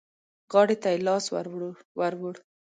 غاړې ته يې لاس ور ووړ.